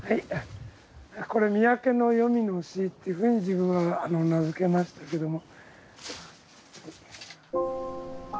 これ「御焼の黄泉の椎」っていうふうに自分は名付けましたけども。